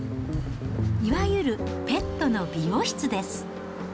いわゆるペットの美容室です。